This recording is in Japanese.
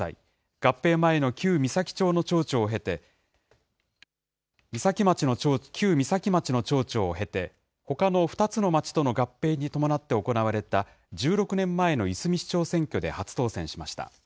合併前の旧岬町の町長を経て、旧岬町の町長を経て、ほかの２つの町との合併に伴って行われた１６年前のいすみ市長選挙で初当選しました。